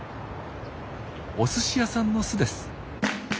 おすし屋さんの巣です。